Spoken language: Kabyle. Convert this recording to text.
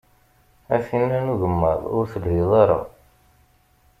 A tinn-a n ugemmaḍ, ur telhiḍ ara.